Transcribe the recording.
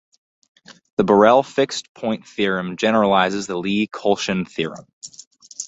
The Borel fixed point theorem generalizes the Lie-Kolchin theorem.